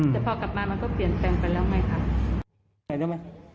แต่พอกลับมามันก็เปลี่ยนแปลงไปแล้วไงค่ะ